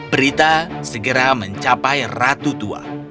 berita segera mencapai ratu tua